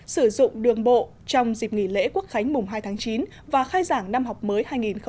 sử dụng đường bộ trong dịp nghỉ lễ quốc khánh mùng hai tháng chín và khai giảng năm học mới hai nghìn một mươi tám hai nghìn một mươi chín